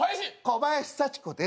小林幸子！？